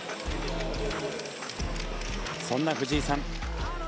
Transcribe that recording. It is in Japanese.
そんな藤井さん